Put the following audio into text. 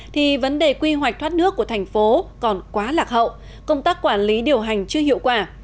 thì vấn đề quy hoạch thoát nước của thành phố còn quá lạc hậu công tác quản lý điều hành chưa hiệu quả